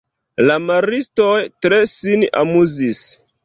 La maristoj tre sin amuzis.